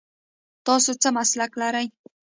تاسو څه مسلک لرئ ؟